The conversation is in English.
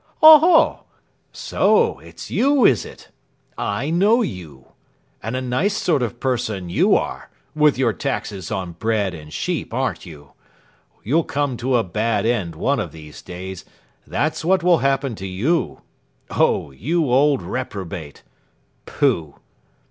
"Oho! so it's you, is it? I know you. And a nice sort of person you are, with your taxes on bread and sheep, aren't you! You'll come to a bad end one of these days, that's what will happen to you. Oh, you old reprobate! Pooh!"